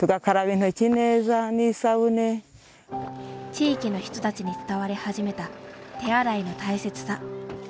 地域の人たちに伝わり始めた手洗いの大切さ。